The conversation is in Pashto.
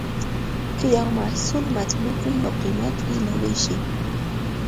که یو محصول مطلوب وي، نو قیمت یې لوړېږي.